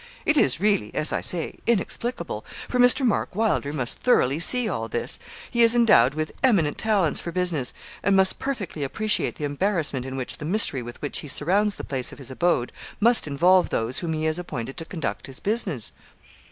It is really, as I say, inexplicable, for Mr. Mark Wylder must thoroughly see all this: he is endowed with eminent talents for business, and must perfectly appreciate the embarrassment in which the mystery with which he surrounds the place of his abode must involve those whom he has appointed to conduct his business.'